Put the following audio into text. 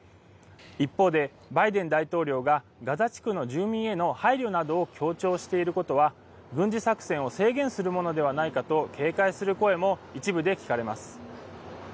一方でバイデン大統領がガザ地区の住民への配慮などを強調していることは軍事作戦を制限するものではないかと警戒する声も一部で聞かれます。